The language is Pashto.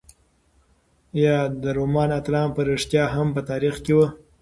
ایا د رومان اتلان په رښتیا هم په تاریخ کې وو؟